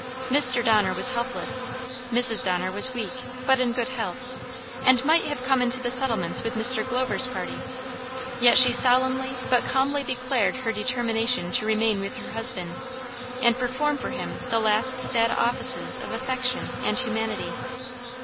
Mr. Donner was helpless. Mrs. Donner was weak, but in good health, and might have come into the settlements with Mr. Glover's party, yet she solemnly but calmly declared her determination to remain with her husband, and perform for him the last sad offices of affection and humanity.